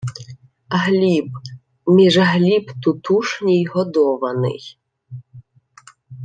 — Гліб, між Гліб тутушній годований.